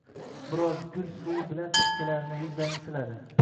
Bir oz gul suvi bilan chakkalarini, yuzlarini siladi.